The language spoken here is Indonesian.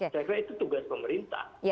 saya kira itu tugas pemerintah